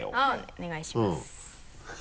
お願いします。